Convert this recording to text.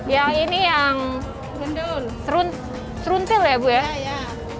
yang ini yang seruntil ya bu ya